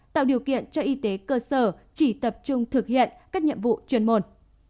tạo điều kiện cho y tế cơ sở chỉ tập trung thực hiện các nhiệm vụ chuyên môn